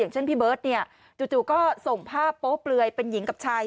เช่นพี่เบิร์ตจู่ก็ส่งภาพโป๊เปลือยเป็นหญิงกับชาย